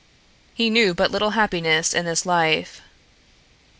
He knew but little happiness, in this life."